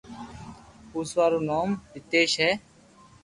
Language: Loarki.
پوچوا رو نوم نيتيس ھي